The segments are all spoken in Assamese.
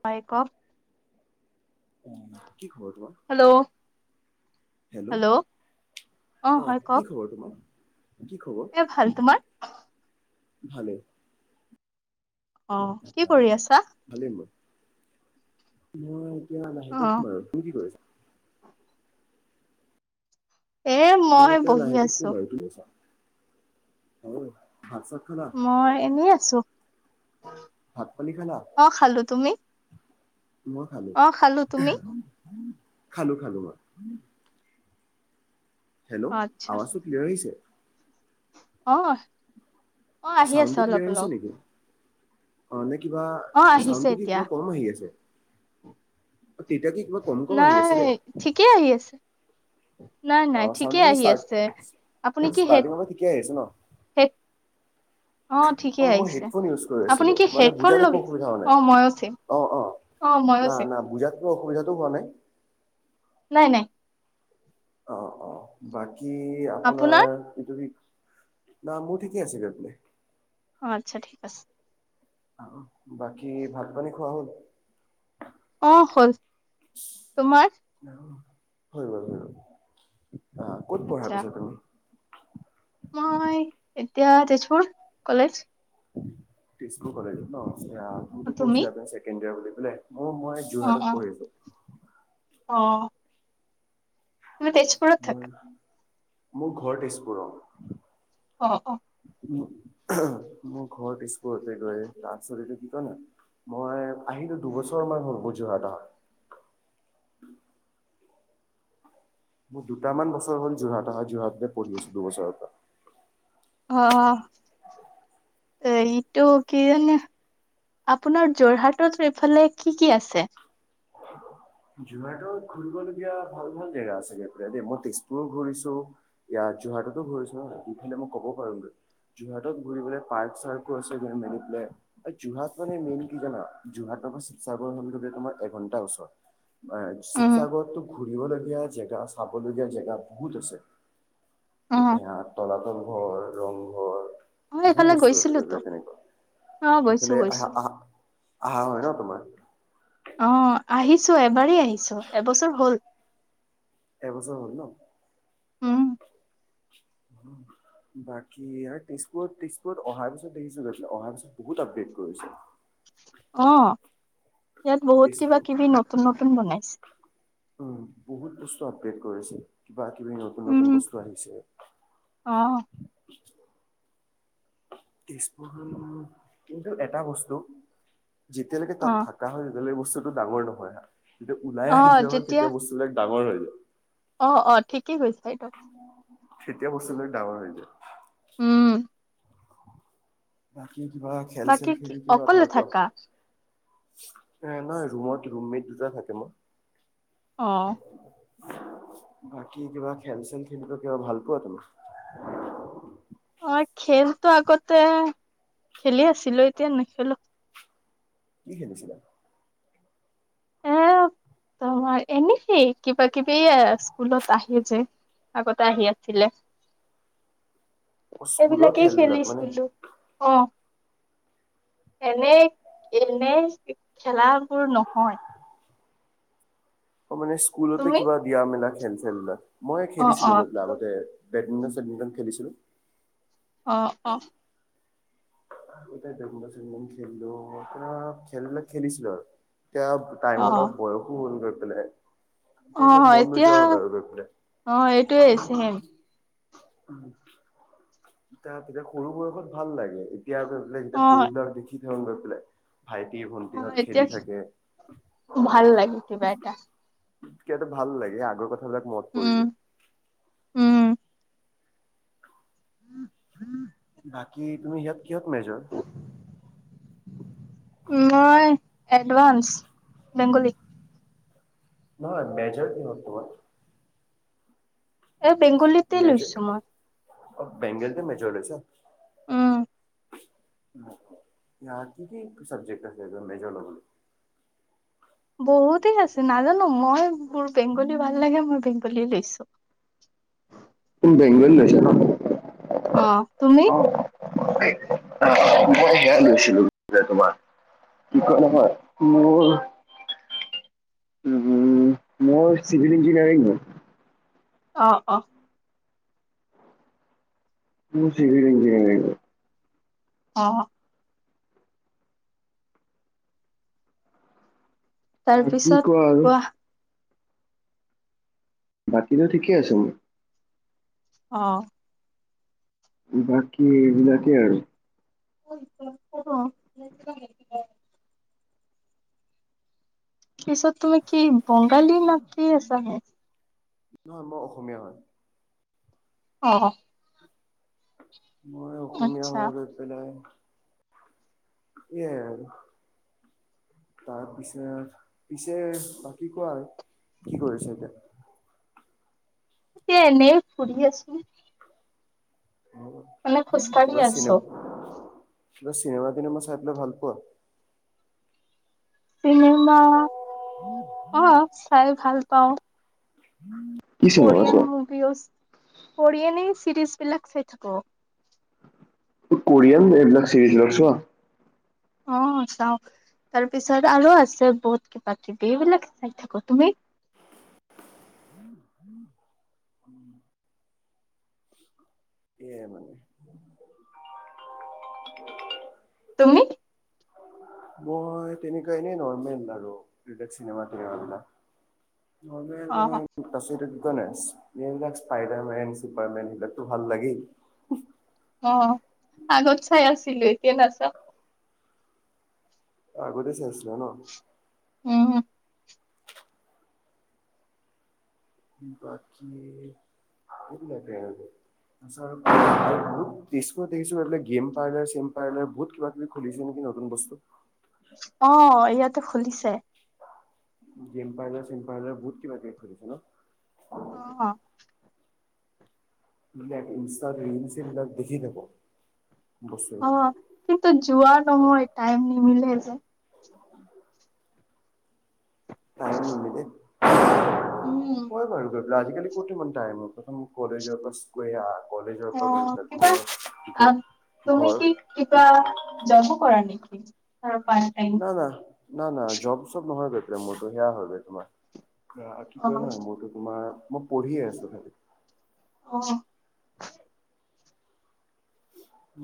ক' হেল্ল'। হেল্ল' অ', হয় কি কওক খবৰ তোমাৰ? এ ভাল, তোমাৰ? ভালে। অ', কি কৰি আছা? মই ক নাহে অ সোমাৰ তোৰ কি কৰিছা? এ মই এতিয়া বহি লাহেকে শুম আছো আৰু [unintelligible] [unintelligible] মই এনেই আ চো অ', খালো তুমি? মই খালো। অ তুমি খালো, খালো মই। হেল্ল, আৱাজটো ক্লিয়াৰ আহিছে? অহ। অ', আহি আছে অলপ, অলপ। [unintelligible] কিবা অ আহিছে চাউণ্ডটো কি এতিয়া কিবা কম আহি আছে? নাই ঠিকেই আহি আছে। নাই, নাই ঠিকেই আহি আছে। আপুনি কি হেড-হেড অ', মই হেডফোন ইউজ কৰি আছিলো। কি মানে হেডফোন বুজাত লগ একো অসুবিধা হোৱা অ নাই। মইয়ো চেম অ', অ', মইয়ো না, চেম না বুজাতকো অসুবিধা [inaudible] নাই, নাই। অ', অ', বাক কি আপোনাৰ এইটো? না মোৰ ঠিকেই আছে [inaudible] অ', আচ্ছা ঠিক আছে। অ', বাকী ভাত পানী খোৱা হ'ল। অ', হ'ল তোমাৰ? হৈ গ'ল, হৈ গ'ল। অ ক'ত পঢ়া আচ্ছা পিছে তুমি। মই এতিয়া তেজপুৰ কলেজ তেজপুৰ কলেজ ন তুমিটো তুমি? কৈছিলা ছেকেণ্ড ইয়াৰ বুলি [unintelligible] অ মই অ', যোৰহাটত অ'। পঢ়ি আছো অ মই তেজপুৰত থাকো মোৰ ঘৰ তেজপুৰৰ অ অ মোৰ ঘৰত স্কুললে গৈ তাৰপিছতটো কি হল মই আহিলো দুবছৰমান হল মোৰ যোৰহাট মোৰ দুটামান বছৰ হ'ল যোৰহাট অহা যোৰহাট প়ঢ়ি আছো দুবছৰ পৰা অ এইটো কি আপোনাৰ যোৰহাটত এইফালে কি কি আছে যোৰহাটত ঘুৰিবলগীয়া ভাল ভাল জেগা আছে গৈ পেলাই দেই মই তেজপুৰো ঘূৰিছো ইয়াত যোৰহাটতো ঘূৰিছো ন ইফালে মই কব পাৰোমগৈ যোৰহাটত ঘুৰিবলে পাৰ্ক চাৰ্কো আছে মেলি পেল যোৰহাট মানে মেইন কি জানা যোৰহাটৰ পৰা শিৱসাগৰখন গলে তোমাৰ এঘন্টা ওচৰ অ উম। শিবসাগৰতো ঘূৰিবলগীয়া জেগা এয়া চাবলগীয়া জেগা বহুত আছে অ', হে তলাতল ঘৰ ৰংঘৰ মই বহু এইফালে বস্তু আছেে গৈছিলোতো। বোলে তেনেকুৱা অ', গৈছো সেইফালে গৈছো। আহা আহা আহা হয় ন তোমাৰ অ', আহিছো এবাৰেই [unintelligible] এবছৰ হ'ল উম। বাকী আৰু তেজপুৰত তেজপুৰত অহাৰ পিছত দেখিছো অহাৰ পিছত বহুত আপেট কৰিছে অ ইয়াত বহুত কিবা তেজপুৰ কিবি নতুন নতুন বনাইছে। উম বহুত বস্তু আপডে কৰিছে বা কিবি নতুন নতুন উম। বস্তু আহিছে অ', তেজপুৰখন কিন্তু এটা বস্তু যেতিয়ালৈকে তাত অ', থাকা হয় তেতিয়ালকে বস্তুটো ডাঙৰ নহয় যেতিয়া ওলাই আহি অ', যোৱা হয় যেতিয়া তেতিয়া বস্তুবিলাক ডাঙৰ হৈ যায় অ অ ঠিকেই কৰিছে দিয়ক উম উ কি কিবা খেল চেল বাকী কি খেলি কিবা অকলে ভাল থাকা? পোৱা এ নহয় ৰুমত ৰুমমেট দুটা থাকে মোৰ অ'। বাকী কিবা খেল-চেল খেলিব কিবা ভাল পোৱা তুমি? অ', খেলতো আগতে খেলি আছিলো। এতিয়া নেখেলো। কি খেলিছিলা? এ তোমাৰ এনে সেই কিবা- কিবি স্কুলত আহি যে আগতে আহি আছিলে। এইবিলাকেই খেলিছিলোঁ অ'। এনেই এনেই খেলাবোৰ নহয়। অ', মানে স্কুলতে তুমি কিবা দিয়া মেলা খেল-চেল বিলাক মই অ অ খেলিছিলোঁ [inaudible] বেডমিণ্টন চেডমিণ্টন খেলিছিলো। অ অ বেডমিণ্টন চেডমিণ্টন খেলিলো। খেলবিলাক খেলিছিলো আৰু। এতিয়া অ টাইমৰ লগত বয়সো হ'লগৈ। [unintelligible] অ', এতিয়া। অ' এইটোৱে ছেম। উম, তা-তেতিয়া সৰু বয়সত ভাল লাগে। [unintelligible] [unintelligible] লৈ অ পেলাই ভাইটি অ ভন্টিহঁত এতিয়া খেলি থাকে। ভাল লাগে কিবা এটা কিবা এটা ভাল লাগে। আগৰ কথা বিলাক মনত উম পৰি যায়। উম বাকী তুমি ইয়াত কিহত মেজৰ? মই, এডভাঞ্চ বেংগলী। নহয়, মেজৰ কিহত তোমাৰ? এই বেংগলীতে লৈছো মই। অ', বেংগলীতে মেজৰ লৈছা? উম ইয়াত কি কি চাবজেক্ট আছে। মেজৰ ল'বলৈ? বহুতেই আছে, নাজানো মই মোৰ বেংগলী ভাল লাগে মোৰ বেংগ [inaudible] লৈছো তুম বেংগলী লৈছা ন? অ', তুমি? মই সেয়া লৈছিলোঁ গে তোমাৰ, কি কয় নহয় মোৰ উম' মোৰ চিভিল ইঞ্জিনিয়াৰিং হয় অ', অ'। মোৰ চিভিল ইঞ্জিনিয়াৰিং অ'। তাৰ বাকী পিছত আৰু কোৱা বাকীতো ঠিকেই আছে মো অ', বাকী এইবিলাকেই আৰু [unintelligible] অহ। পিছত তুমি কি বংগালী ন কি আছা হে নহয়, মই অসমীয়া হয়। অ। মই অসমীয়া আচ্ছা হৈ গৈ পেলাই এয়াই আৰু, তাৰপিছত পিছে বাকী কোৱা কি কৰিছা এতিয়া? এ এনেই পঢ়ি আছো। মানে খোজকাঢ়ি আছো কিবা চিনেমা টিনেমা চাই পেলাই ভাল পোৱা? চিনেমা, অ', চাই ভাল পাওঁ উম। কৰিয়ান মভিওজ কৰিয়ান এই চিৰজ বিলাক চাই থাকো। অ‌ কৰিয়ন এইবিলাক চিৰিজৰ চোৱা? অ‌ চাও তাৰপিছত আৰু আছে বহুত কিবা কিবি এইবিলাক চাই থাকো তুমি? তুমি মই তেনেকুৱা এনেই নৰ্মেল আৰু এই চিনেমা‌ বিলাক। নৰ্মেল অ মই স্পাইডাৰমেন চুপাৰমেন সেইবিলাকতো ভাল লাগেই। অ আগত চাই আছিলিলো। এতিয়া নাচাও। অ‌‌ আগতে চাইছিলা? জানা উম বাকী এইবিলাকে আৰু বহুত তেজপুৰ দেখিছো এইবিলাক গেম পাৰ্লাৰ চেম পাৰ্লাৰ বহুত কিবা কিবি খুলিছে নেকি নতুন বস্তু? অ ইয়াতে খুলিছে। গেম পাৰ্লাৰ চেম‌ পাৰ্লাৰ বহুত কিবা কিবি খুলিছে ন? অ ইন্সটাত ৰিল ছিল এইবিলাক দেখি থাকো। অ কিন্তু যোৱা নহয় টাইম নিমিলে। [inaudible] কাৰো নিমিলে। উম হৈ বাৰু। আজিকালি ক'ত ইমান টাইম প্ৰথম কলেজৰ পৰা অ কিবা আ তুমি কি কিবা জব কৰা নেকি? অ না, না, না, না জব-চব নহয়। আ [unintelligible] অ‌ কি‌‌ অ কয় ন মোৰটো তোমাৰ মই পঢ়িয়ে আছো খালি। অ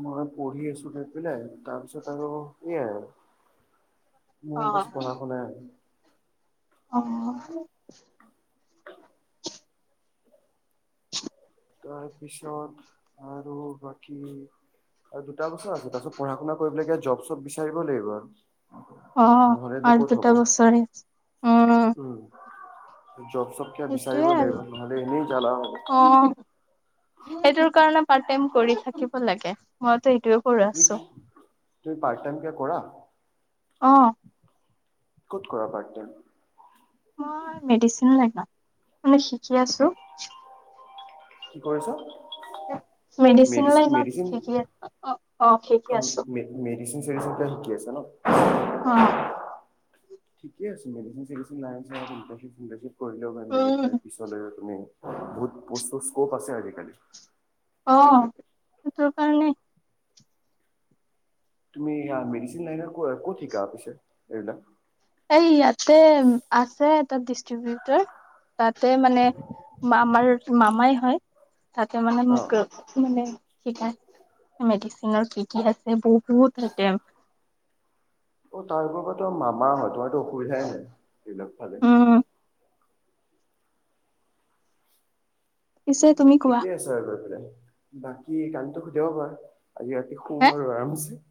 মই পঢ়ি আছো সেইফালে তাৰপিছত আৰু এইয়া আৰু অ মোৰ বাছ পঢ়া শুনাই। অ [inaudible] তাৰপিছত আৰু বাকী আৰু দুটা বছৰ আছে তাৰপিছত পঢ়া-শুনা কৰিবলৈগে জপ চপ বিচাৰিব লাগিব। অ', আৰু দুটা বছৰে আছে উম'। জব-চপ কিবা সেইটোয়ে বিচাৰিব আৰু লাগিব নহ'লে এনেই জালা হ'ব। অ সেইটোৰ কাৰণে পাৰ্ট টাইম কৰি থাকিব লাগে। ম তুমি, তুমি পাৰ্ট টাইম কিবা কৰা। অ ক'ত কৰা পাৰ্ট টাইম? মই মেডিচিন লাইনত শিকি আছো। কি কৰিছ? মেডিচিন লাইনত শিকি অ' আছো। ডিচ চচ শিকি আছে ন'? অ'। ঠিকে আছে মেডিচিন চেডিচিন [unintelligible] কৰিলেও হয় মেল উম পেলাই পিছলৈ তুমি বহুত, বহুত স্ক'প আছে আজিকালি। অ', সটোৰ কাৰণে তুমি মেডিচিন লাইনৰ ক'ত শিকা পিছে এইবিলাক। এই ইয়াতে আছে এটা ডিষ্ট্ৰিবউটৰ তাতে মানে আমাৰ মামাই হয়। তাতে মানে মোক মানে মেডিচিনৰ কি কি আছে বহুত থাকে। অ', তাৰপা মামা হয় তোমাৰটো অসুবিধাই নাই সেইবিলাক। ভালে। উম পিছে তুমি এক কোৱা ঠিকেই আছে আৰু ৰ পাৰে। বাকী কামটো সুধিব পাৰ আজি ৰাতি হে শুম আৰু আৰামছে।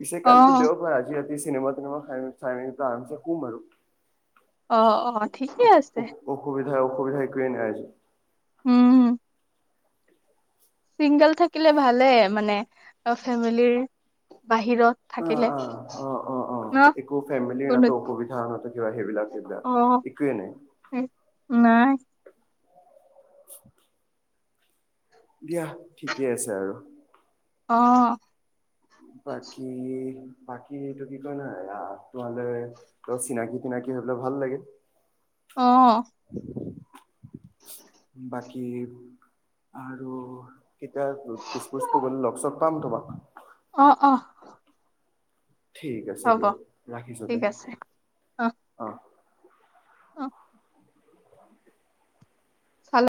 পিছে অ কালিটো দেওঁবাৰ আজিটো এই চিনেম তিনেমা খ চাইটো আৰমছে শুম আৰু। অ, অ, ঠিকেই আছে। অসুবিধা একোৱে নাই আজি। উম'। চিংগল থাকিলে ভালে মানে অ, ফেমিলিৰ বাহিৰত অ থাকিলে অ অ অ অ ন একো ফেমিলি কোনো নহ অ কবি থ নাহে টো অ', অসুবিধাএকোৱেই নাই। নাই [inaudible] দিয়া ঠিকেই আছে আৰু। অহ '। বাকী বাকী এইটো কি কয় নাই তোমাললে ত চিনাকি তিনাকি হৈ পেলাই ভাল লাগে। অহ '। বাকী আৰু কেতিয়া দিছপুৰ চিছপুৰ গলে লগ চগ পাম তোমাক অ অ ঠিক আছে হ'ব দিয়া ৰাখিছো দে ঠিক আছে অ অ', চালে